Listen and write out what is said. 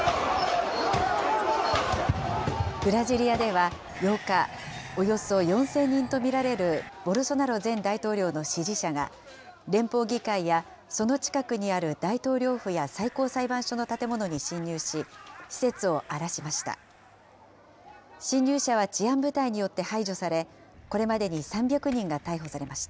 ブラジリアでは８日、およそ４０００人と見られるボルソナロ前大統領の支持者が、連邦議会やその近くにある大統領府や最高裁判所の建物に侵入し、施設を荒らしました。